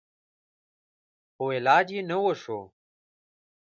خو علاج يې نه و سوى.